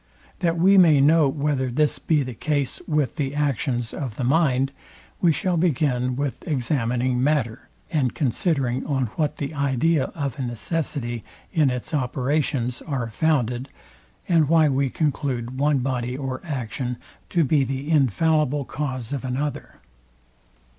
That we may know whether this be the case with the actions of the mind, we shall begin with examining matter, and considering on what the idea of a necessity in its operations are founded, and why we conclude one body or action to be the infallible cause of another.